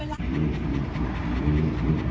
อรัฐที่ร้านพวกมัน